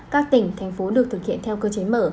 các tỉnh thành phố được thực hiện theo cơ chế mở